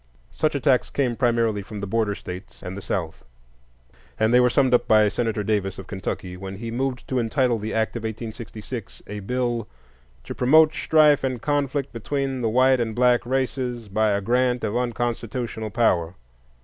Such attacks came primarily from the Border States and the South; and they were summed up by Senator Davis, of Kentucky, when he moved to entitle the act of 1866 a bill "to promote strife and conflict between the white and black races… by a grant of unconstitutional power."